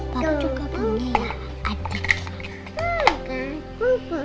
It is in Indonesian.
papa juga punya adik